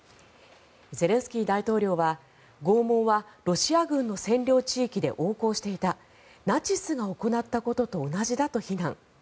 ゼレンスキー大統領は拷問はロシア軍の占領地域で横行していたナチスが行ったことと同じだと非難